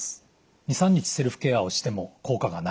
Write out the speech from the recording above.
２３日セルフケアをしても効果がない。